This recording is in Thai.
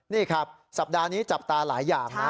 นี่ครับสัปดาห์นี้จับตาหลายอย่างนะ